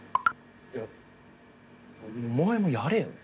いやお前もやれよ。